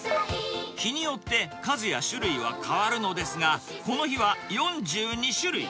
日によって数や種類は変わるのですが、この日は４２種類。